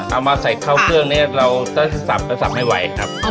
เอามาใส่เข้าเครื่องเนี้ยเราจะสับจะสับไม่ไหวครับ